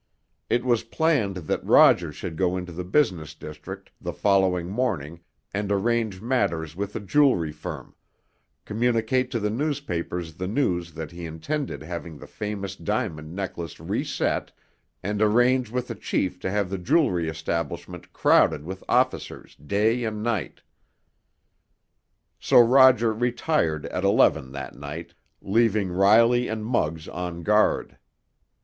It was planned that Roger should go into the business district the following morning and arrange matters with a jewelry firm, communicate to the newspapers the news that he intended having the famous diamond necklace reset, and arrange with the chief to have the jewelry establishment crowded with officers day and night. So Roger retired at eleven that night, leaving Riley and Muggs on guard.